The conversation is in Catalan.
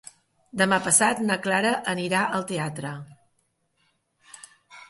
Demà passat na Clara anirà al teatre.